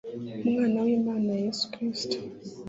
umwan w'imana ni yesu kristo